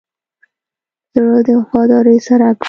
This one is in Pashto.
زړه د وفادارۍ څرک دی.